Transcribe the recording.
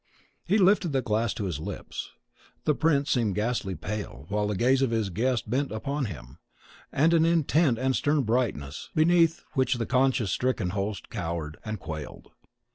He lifted the glass to his lips. The prince seemed ghastly pale, while the gaze of his guest bent upon him, with an intent and stern brightness, beneath which the conscience stricken host cowered and quailed.